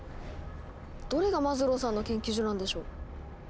どれがマズローさんの研究所なんでしょう？